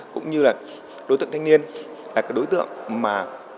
cũng như là đối tượng thanh niên là cái đối tượng mà